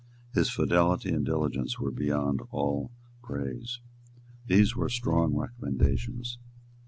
His fidelity and diligence were beyond all praise. These were strong recommendations.